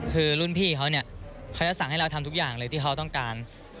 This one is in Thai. คือรุ่นพี่เขาเนี่ยเขาจะสั่งให้เราทำทุกอย่างเลยที่เขาต้องการ